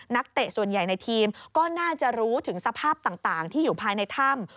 เตะส่วนใหญ่ในทีมก็น่าจะรู้ถึงสภาพต่างที่อยู่ภายในถ้ำ